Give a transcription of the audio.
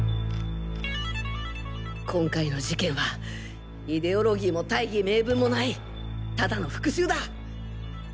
今回の事件はイデオロギーも大義名分もないただの復讐だ！